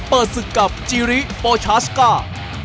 เปิดศึกกับจิริโปชาสก้า